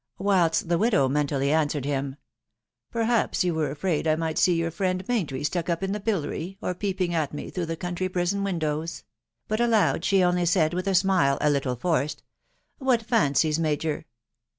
.... Whilst the widow mentally answered him, ...." Perhaps you were afraid I might see your friend Muntry stuck up in the pillory, ox ^peenm& «X m* taraaa^iha THE WIDOW BU&NABY. 25$ county prison windows ;".... but aloud she only said, with a smile a little forced, ...." What fancies, major